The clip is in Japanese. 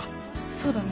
そうだね。